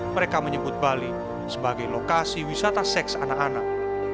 mereka menyebut bali sebagai lokasi wisata seks anak anak